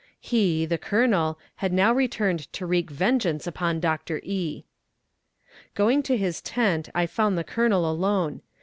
He, the colonel, had now returned to wreak vengeance upon Doctor E. Going to his tent I found the colonel alone.